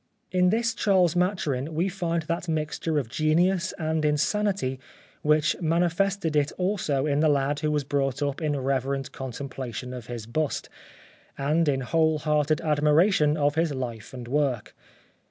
In this Charles Maturin we find that mixture of genius and insanity which manifested it also in the lad who was brought up in reverent con templation of his bust, and in whole hearted admiration of his life and work.